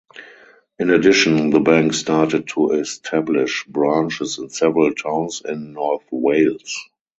In addition the bank started to establish branches in several towns in North Wales.